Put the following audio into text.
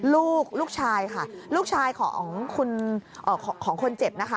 ลูกลูกชายค่ะลูกชายของคนเจ็บนะคะ